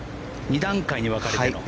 ２段階に分かれての。